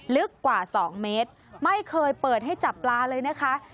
ลึกกว่า๒เมตรไม่เคยเปิดให้จับปลาเลยนะคะ